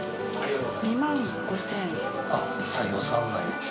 ２万５０００です。